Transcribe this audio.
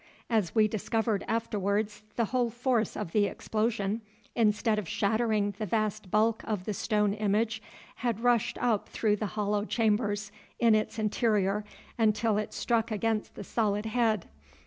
As we discovered afterwards, the whole force of the explosion, instead of shattering the vast bulk of the stone image, had rushed up through the hollow chambers in its interior until it struck against the solid head.